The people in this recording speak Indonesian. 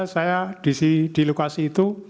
saya di lokasi itu